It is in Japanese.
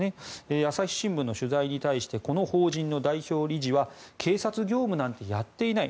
朝日新聞の取材に対しこの法人の代表理事は警察業務なんてやっていない